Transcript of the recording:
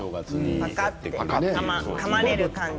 かぱっとかまれる感じ。